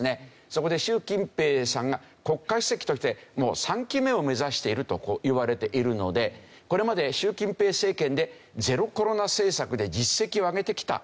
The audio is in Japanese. そこで習近平さんが国家主席として３期目を目指しているといわれているのでこれまで習近平政権でゼロコロナ政策で実績をあげてきた。